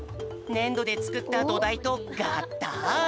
ねんどでつくったどだいとがったい！